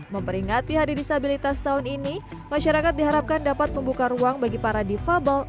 memperingati hari disabilitas tahun ini masyarakat diharapkan dapat membuka ruang bagi para defable